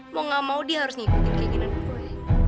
mau gak mau dia harus ngikutin keinginan gue